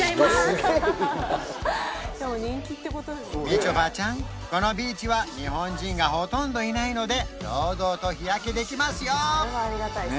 みちょぱちゃんこのビーチは日本人がほとんどいないので堂々と日焼けできますよ